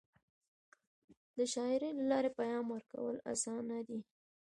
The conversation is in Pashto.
د شاعری له لارې پیغام ورکول اسانه دی.